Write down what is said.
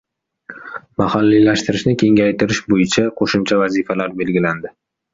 Mahalliylashtirishni kengaytirish bo‘yicha qo‘shimcha vazifalar belgilandi